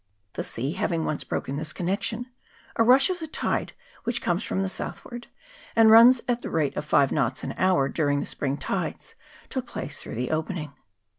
The sea having once broken this con nection, a rush of the tide, which comes from the southward, and runs at the rate of five knots an hour during the spring tides, took place through the opening.